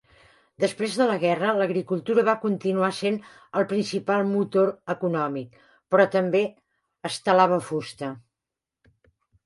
Després de la guerra, l'agricultura va continuar sent el principal motor econòmic, però també es talava fusta.